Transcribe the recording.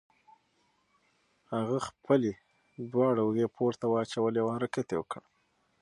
هغه خپلې دواړه اوږې پورته واچولې او حرکت یې وکړ.